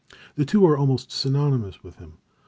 The two are almost synonymous with him.